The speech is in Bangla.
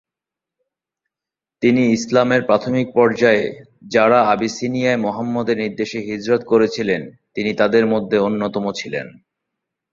তিনি ইসলামের প্রাথমিক পর্যায়ে যারা আবিসিনিয়ায় মুহাম্মদের নির্দেশে হিজরত করেছিলেন তিনি তাদের অন্যতম ছিলেন।